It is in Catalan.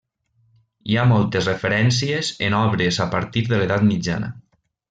Hi ha moltes referències en obres a partir de l'edat mitjana.